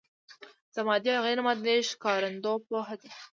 د مادي او غیر مادي ښکارندو پوهه ده.